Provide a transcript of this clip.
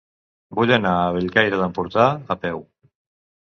Vull anar a Bellcaire d'Empordà a peu.